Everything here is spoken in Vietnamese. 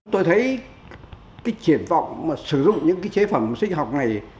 tôi thấy cái triển vọng mà sử dụng những cái chế phẩm sinh học này